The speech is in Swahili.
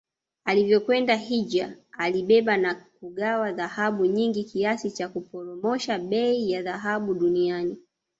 Alivyokwenda hijja alibeba na kugawa dhahabu nyingi kiasi cha kuporomosha bei ya dhahabu duniani